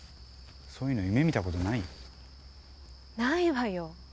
そういうの夢見たことない？ないわよ。